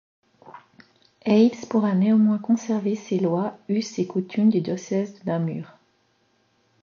Haybes pourra néanmoins conserver ses lois, us et coutumes du diocèse de Namur.